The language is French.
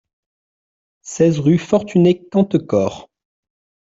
seize rue Fortuné Cantecor